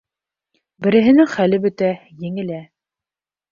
Береһенең хәле бөтә, еңелә.